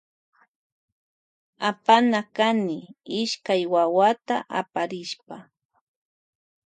Apana kany ishkay wawata aparishpa.